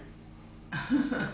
アハハハ。